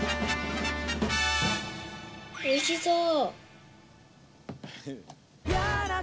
おいしそう！